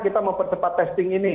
kita mempercepat testing ini